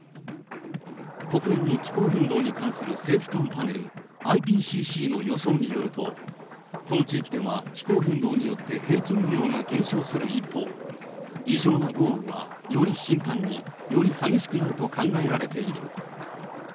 国連の気候変動に関する政府間パネル、ＩＰＣＣの予想によると、この地域では気候変動によって平均雨量が減少する一方、異常な豪雨はより頻繁に、より激しくなると考えられている。